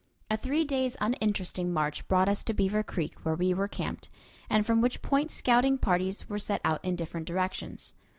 A three days' uninteresting march brought us to Beaver Creek, where we were camped, and from which point scouting parties were sent out in different directions.